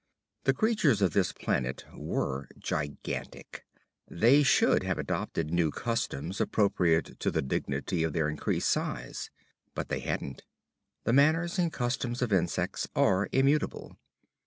The creatures of this planet were gigantic. They should have adopted new customs appropriate to the dignity of their increased size. But they hadn't. The manners and customs of insects are immutable.